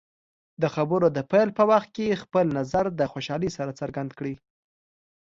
د خبرو د پیل په وخت کې خپل نظر د خوشحالۍ سره څرګند کړئ.